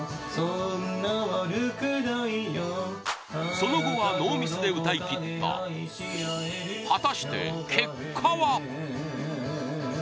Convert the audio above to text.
その後はノーミスで歌い切った果たして、結果は？